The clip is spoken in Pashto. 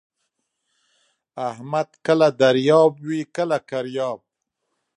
احمد کله دریاب وي کله کریاب.